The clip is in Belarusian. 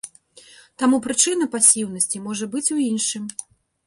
Таму прычына пасіўнасці можа быць у іншым.